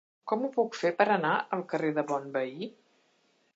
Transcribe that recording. Com ho puc fer per anar al carrer de Bonveí?